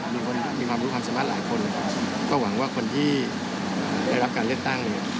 มีความสามารถหลายคนก็หวังว่าพี่ได้รับการเลือกตั้ง